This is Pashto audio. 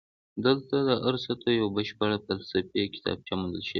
دلته د ارسطو یوه بشپړه فلسفي کتابچه موندل شوې